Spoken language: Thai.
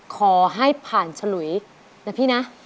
ขอให้ผ่านฉลุยนะพี่นะ